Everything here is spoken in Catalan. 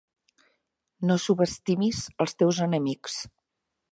No subestimis els teus enemics.